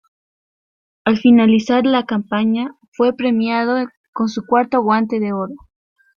Al finalizar la campaña, fue premiado con su cuarto Guante de Oro.